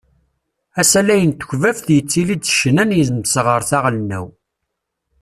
Asalay n tekbabt yettili-d s ccna n yimseɣret aɣelnaw.